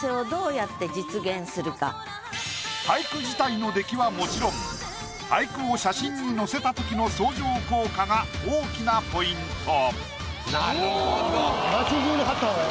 俳句自体の出来はもちろん俳句を写真に載せたときの相乗効果が大きなポイント。